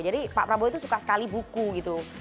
jadi pak prabowo itu suka sekali buku gitu